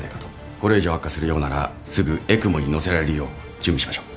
これ以上悪化するようならすぐＥＣＭＯに乗せられるよう準備しましょう。